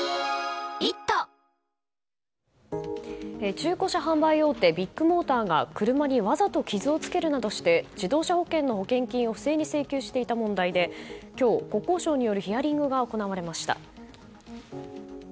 中古車販売大手ビッグモーターが車にわざと傷をつけるなどして自動車保険の保険金を不正に請求していた問題で今日、国交省によるヒアリングが行われました。